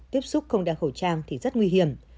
tiếp xúc không đeo khẩu trang thì rất nguy hiểm